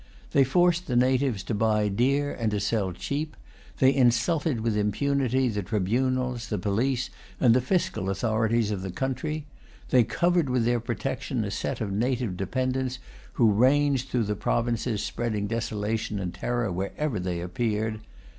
They forced the natives to buy dear and to sell cheap. They insulted with impunity the tribunals, the police, and the fiscal authorities of the country. They covered with their protection a set of native dependants who ranged through the provinces, spreading desolation and terror wherever they appeared.